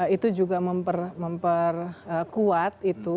itu juga memperkuat itu